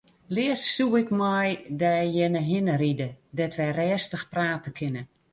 Leafst soe ik mei dy earne hinne ride dêr't wy rêstich prate kinne.